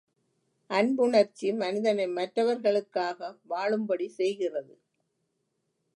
அன்புணர்ச்சி மனிதனை மற்றவர்களுக்காக வாழும்படி செய்கிறது.